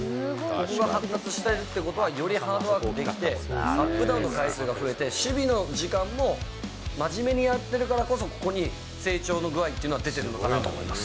ここが発達してるってことはよりハードワークできて、アップダウンの回数が増えて、守備の時間も真面目にやってるからこそ、ここに成長の具合っていうのは出てるのかなと思います。